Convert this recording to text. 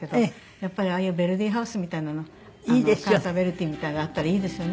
やっぱりああいうヴェルディハウスみたいなのカーザ・ヴェルディみたいなのあったらいいですよね。